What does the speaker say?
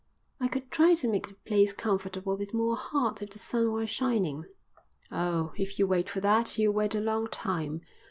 "I could try to make the place comfortable with more heart if the sun were shining." "Oh, if you wait for that, you'll wait a long time.